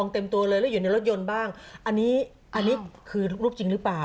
เต็มตัวเลยแล้วอยู่ในรถยนต์บ้างอันนี้อันนี้คือรูปจริงหรือเปล่า